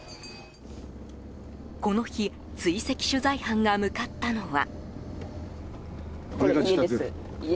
この日、追跡取材班が向かったのは。